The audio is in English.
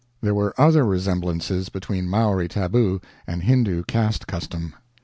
There were other resemblances between Maori tabu and Hindoo caste custom.